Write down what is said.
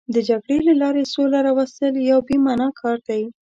د جګړې له لارې سوله راوستل یو بې معنا کار دی.